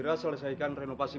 kasian mbak yati